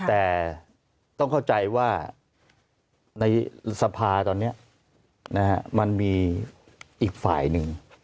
แต่ต้องเข้าใจว่าในสภาตอนนี้มันมีอีกฝ่ายหนึ่ง